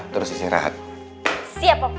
terus isi rehat siap papa